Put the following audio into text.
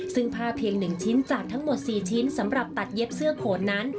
ซึ่งผ้าเพียง๑ชิ้นจากทั้งหมด๔ชิ้นสำหรับตัดเย็บเสื้อโขนนั้น